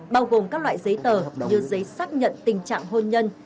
bao gồm các loại giấy tờ như giấy xác nhận tình trạng hôn nhân